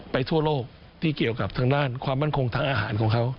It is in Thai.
ทั่วโลกที่เกี่ยวกับทางด้านความมั่นคงทางอาหารของเขา